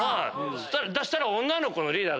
そしたら女の子のリーダーが。